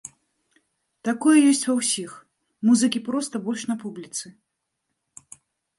Такое ёсць ва ўсіх, музыкі проста больш на публіцы.